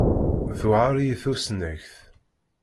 Tuεer-iyi tusnakt.